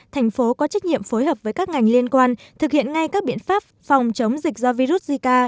thành phố có trách nhiệm phối hợp với các ngành liên quan thực hiện ngay các biện pháp phòng chống dịch do virus zika